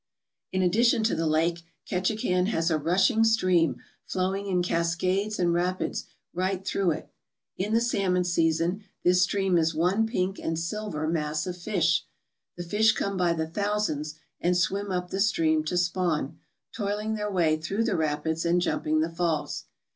In addition to the lake, Ketchikan has a rushing stream flowing in cascades and rapids right through it. In the salmon season this stream is one pink and silver mass of fish. The fish come by the thousands and swim up the stream to spawn, toiling their way through the rapids and jumping the falls.